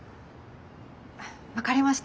分かりました。